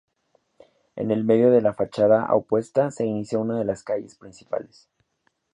En el medio de la fachada opuesta se inicia una de las calles principales.